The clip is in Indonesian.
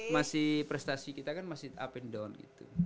masih prestasi kita kan masih up and down gitu